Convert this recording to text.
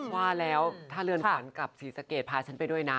ว่าแล้วถ้าเรือนขวัญกับศรีสะเกดพาฉันไปด้วยนะ